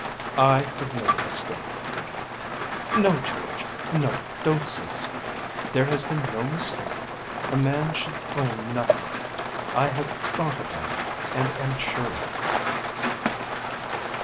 "I have made a mistake." "No, George, no, don't say so. There has been no mistake. A man should own nothing. I have thought about it and am sure of it."